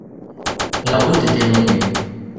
La route était longue.